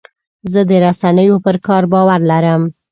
زه د رسنیو پر کار باور لرم.